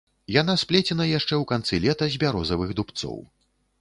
Яна сплецена яшчэ ў канцы лета з бярозавых дубцоў.